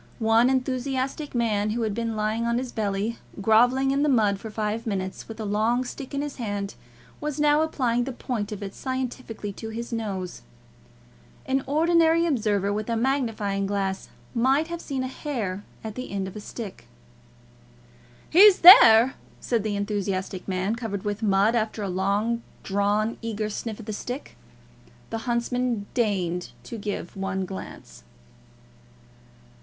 One enthusiastic man, who had been lying on his belly, grovelling in the mud for five minutes, with a long stick in his hand, was now applying the point of it scientifically to his nose. An ordinary observer with a magnifying glass might have seen a hair at the end of the stick. "He's there," said the enthusiastic man, covered with mud, after a long drawn, eager sniff at the stick. The huntsman deigned to give one glance.